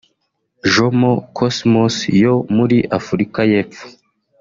Jomo Cosmos yo muri Afurika y’epfo